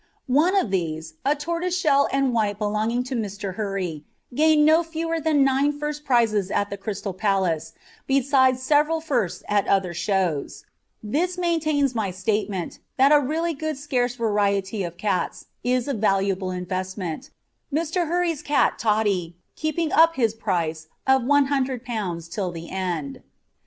One of these, a tortoiseshell and white belonging to Mr. Hurry, gained no fewer than nine first prizes at the Crystal Palace, besides several firsts at other shows; this maintains my statement, that a really good scarce variety of cats is a valuable investment, Mr. Hurry's cat Totty keeping up his price of £100 till the end.